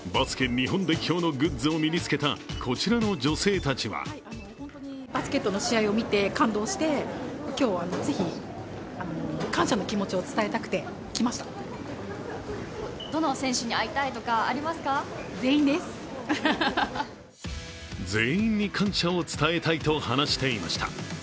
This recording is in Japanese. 日本代表のグッズを身に着けたこちらの女性たちは全員に感謝を伝えたいと話していました。